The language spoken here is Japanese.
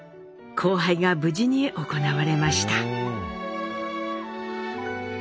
交配が無事に行われました。